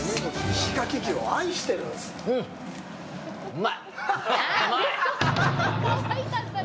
うまいよ。